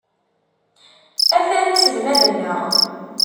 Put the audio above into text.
Atan uselmad-nneɣ.